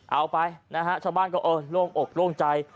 เอาไปชาวบ้านก็โล่งอกโล่งใจ